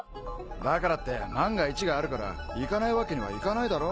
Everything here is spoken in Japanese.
だからって万が一があるから行かないわけにはいかないだろ。